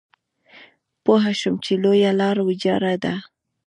پوه شوم چې لویه لار ويجاړه ده.